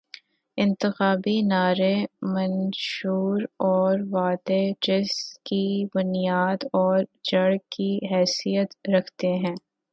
انتخابی نعرے، منشور اور وعدے، جس کی بنیاداور جڑ کی حیثیت رکھتے تھے۔